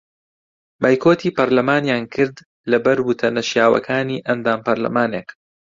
بایکۆتی پەرلەمانیان کرد لەبەر وتە نەشیاوەکانی ئەندام پەرلەمانێک